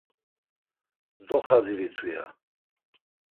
Doxaziritu, ya.